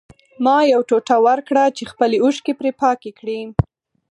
ما یو ټوټه ورکړه چې خپلې اوښکې پرې پاکې کړي